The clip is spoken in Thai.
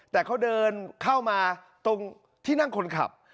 แต่เขาเดินเข้ามาตรงที่นั่งคนขับ